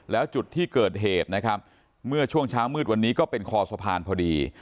แล้วจุดที่เกิดเหตุนะครับเมื่อช่วงเช้ามืดวันนี้ก็เป็นคอสะพานพอดี